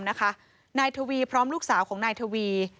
นายทวีพร้อมลูกสาวของนายทวี